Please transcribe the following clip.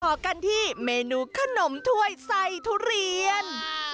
ต่อกันที่เมนูขนมถ้วยใส่ทุเรียน